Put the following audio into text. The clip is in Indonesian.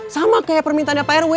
sama kayak permintaan dapah rw